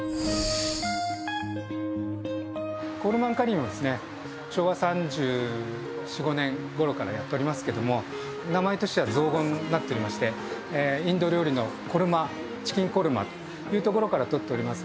コールマンカリーも昭和３４３５年ごろからやっておりますけど名前としては造語になっていましてインド料理のチキンコルマというところからとっておりますが。